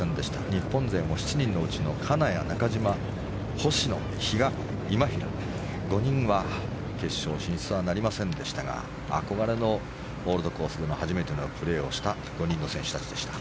日本勢も７人のうちの金谷、中島、星野、比嘉、今平５人は決勝進出はなりませんでしたが憧れのオールドコースでの初めてのプレーをした５人の選手たちでした。